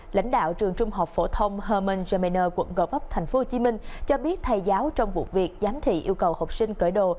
lãnh đạo trường trung học phổ thông herman germainer quận gò vấp tp hcm cho biết thầy giáo trong vụ việc giám thị yêu cầu học sinh cởi đồ